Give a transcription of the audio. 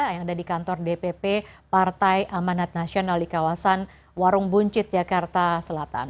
yang ada di kantor dpp partai amanat nasional di kawasan warung buncit jakarta selatan